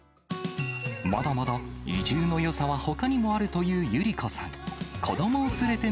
まだまだ移住のよさはほかにもあるというゆりこさん。